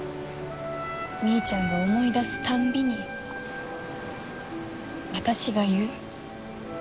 みーちゃんが思い出すたんびに私が言う。